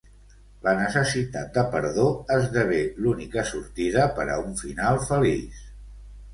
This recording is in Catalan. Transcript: La necessitat de perdó esdevé l'única sortida per a un final feliç.